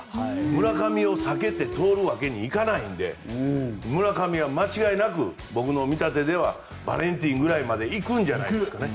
村上を避けて通るわけにはいかないので村上は間違いなく僕の見立てではバレンティンくらいまで行くんじゃないですかね。